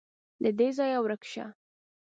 _له دې ځايه ورک شه.